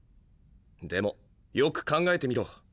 でもよく考えてみろ。